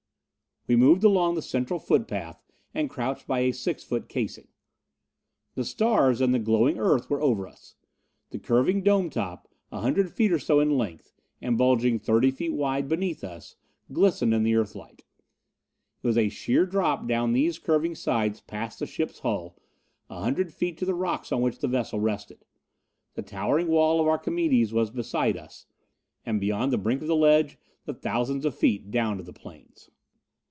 We moved along the central footpath and crouched by a six foot casing. The stars and the glowing Earth were over us. The curving dome top a hundred feet or so in length, and bulging thirty feet wide beneath us glistened in the Earthlight. It was a sheer drop down these curving sides past the ship's hull, a hundred feet to the rocks on which the vessel rested. The towering wall of Archimedes was beside us; and beyond the brink of the ledge the thousands of feet down to the plains.